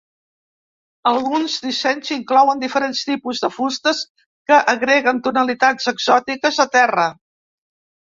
Alguns dissenys inclouen diferents tipus de fustes que agreguen tonalitats exòtiques a terra.